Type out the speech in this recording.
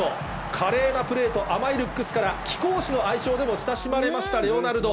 華麗なプレーと、甘いルックスから、貴公子の愛称でも親しまれましたレオナルド。